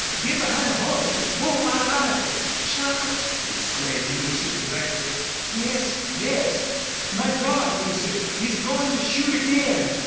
Get behind the horse an' pull my rifle." "Shot!" exclaimed Lucy, blankly. "Yes Yes.... My God! Lucy, he's goin' to shoot again!"